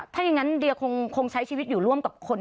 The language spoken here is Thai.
ถ้าอย่างนั้นเดียคงใช้ชีวิตอยู่ร่วมกับคน